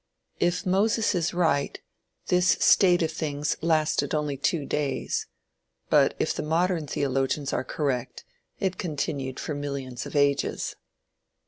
If Moses is right, this state of things lasted only two days; but if the modern theologians are correct, it continued for millions of ages.